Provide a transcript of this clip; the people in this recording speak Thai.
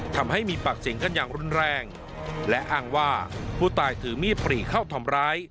ทำให้มีปากเสียงกันอย่างรุนแรงและอ้างว่าผู้ตายถือมีดปรีเข้าทำร้าย